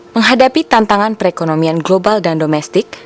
menghadapi tantangan perekonomian global dan domestik